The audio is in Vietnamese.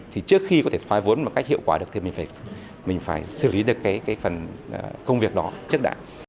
thì trước khi có thể thoái vốn một cách hiệu quả được thì mình phải xử lý được cái phần công việc đó trước đã